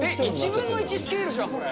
１分の１スケールじゃん、これ。